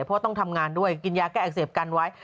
เพราะต้องทำงานด้วยกินยาแก้อักเสบกันไว้